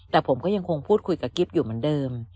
แต่ผมก็ยังคงพูดคุยกับกิ๊บอยู่เหมือนเดิม